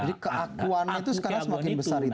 jadi keakuan itu sekarang semakin besar itu ya